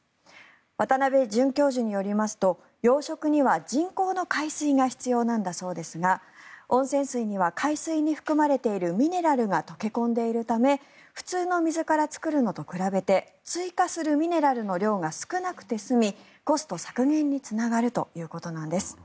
渡邊准教授によりますと養殖には人工の海水が必要なんだそうですが温泉水には海水に含まれているミネラルが溶け込んでいるため普通の水から作るのと比べて追加するミネラルの量が少なくて済みコスト削減につながるということなんです。